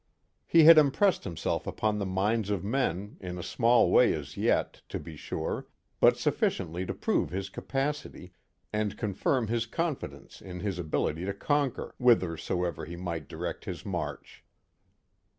He had impressed himself upon the minds of men, in a small way as yet, to be sure, but sufficiently to prove his capacity, and confirm his confidence in his ability to conquer, whithersoever he might direct his march.